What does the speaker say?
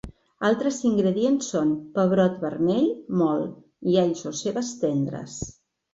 Altres ingredients són: pebrot vermell mòlt i alls o cebes tendres.